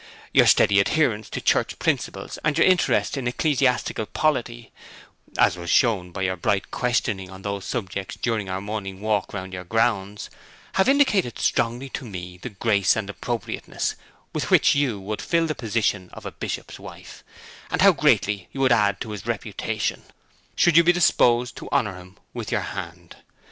Your steady adherence to church principles and your interest in ecclesiastical polity (as was shown by your bright questioning on those subjects during our morning walk round your grounds) have indicated strongly to me the grace and appropriateness with which you would fill the position of a bishop's wife, and how greatly you would add to his reputation, should you be disposed to honour him with your hand.